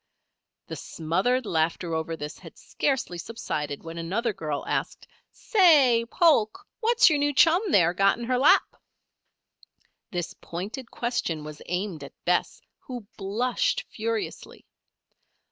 The smothered laughter over this had scarcely subsided when another girl asked: "Say, Polk! what's your new chum, there, got in her lap?" This pointed question was aimed at Bess, who blushed furiously.